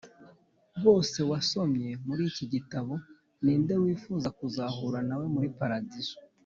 bose wasomye muri iki gitabo ni nde wifuza kuzahura na we muri Paradizo